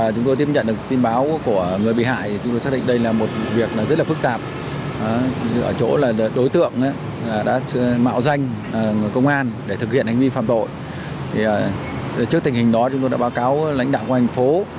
chúng tôi xác định đây là một việc rất là phức tạp đối tượng đã mạo danh công an để thực hiện hành vi phạm tội trước tình hình đó chúng tôi đã báo cáo lãnh đạo của thành phố